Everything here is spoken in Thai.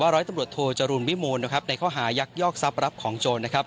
แบบร้อยตำรวจโทรจรูลวิมูลในข้อหายักษ์ยอกซับรับของโจร